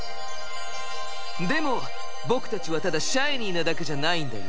でも僕たちはただシャイニーなだけじゃないんだよ。